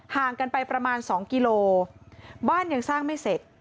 ห่างกันไปประมาณ๒กิโลบ้านยังสร้างไม่เสร็จ